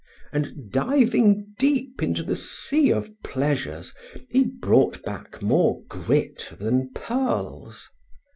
And diving deep into the sea of pleasures he brought back more grit than pearls.